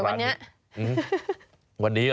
พาไปหน่อยวันนี้